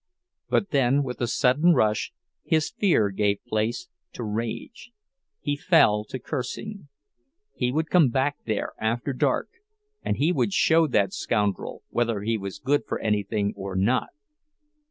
But then, with a sudden rush, his fear gave place to rage. He fell to cursing. He would come back there after dark, and he would show that scoundrel whether he was good for anything or not!